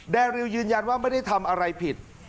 ริวยืนยันว่าไม่ได้ทำอะไรผิด